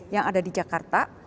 yang ada di jakarta